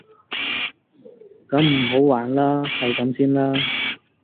噉唔好還啦，係噉先喇